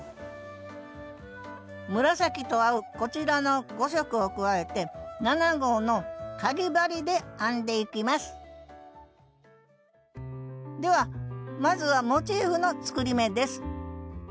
紫と合うこちらの５色を加えて７号のかぎ針で編んでいきますではまずはモチーフの作り目です